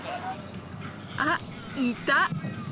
あっいた！